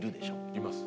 います。